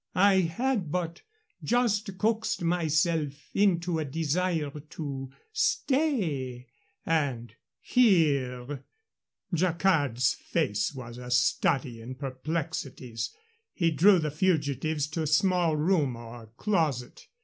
I had but just coaxed myself into a desire to stay, and here " Jacquard's face was a study in perplexities. He drew the fugitives to a small room, or closet.